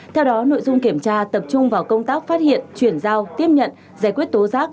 theo đó nội dung kiểm tra tập trung vào công tác phát hiện chuyển giao tiếp nhận giải quyết tố giác